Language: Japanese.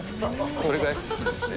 それぐらい好きですね。